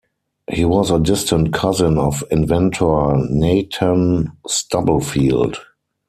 He was a distant cousin of inventor Nathan Stubblefield.